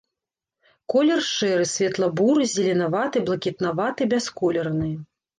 Колер шэры, светла-буры, зеленаваты, блакітнаваты, бясколерны.